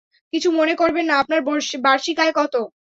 কিছু মনে করবেন না, আপনার বার্ষিক আয় কতো?